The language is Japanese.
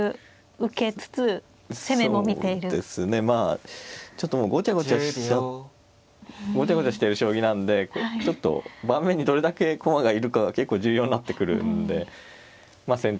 まあちょっともうごちゃごちゃしてる将棋なんでちょっと盤面にどれだけ駒がいるかが結構に重要になってくるんでまあ